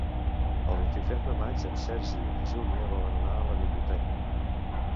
El vint-i-tres de maig en Sergi i na Júlia volen anar a la biblioteca.